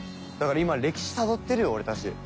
だから今歴史たどってるよ俺たち。